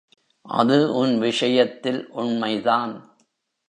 அது உன் விஷயத்தில் உண்மைதான்.